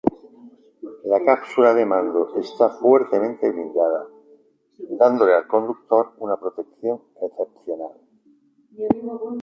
La cápsula de mando está fuertemente blindada, dándole al conductor una protección excepcional.